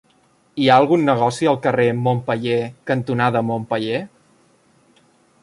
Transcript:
Hi ha algun negoci al carrer Montpeller cantonada Montpeller?